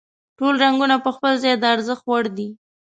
ټول رنګونه په خپل ځای د ارزښت وړ دي.